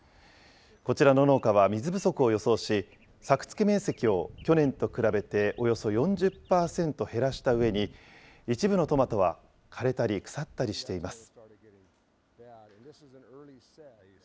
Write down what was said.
こちらの農家は水不足を予想し、作付面積を去年と比べておよそ４０％減らしたうえに、一部のトマトは、枯れたり腐ったりしています。